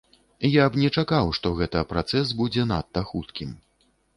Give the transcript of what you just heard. Я б не чакаў, што гэта працэс будзе надта хуткім.